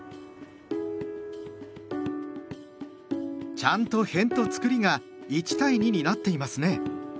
ちゃんとへんとつくりが１対２になっていますね。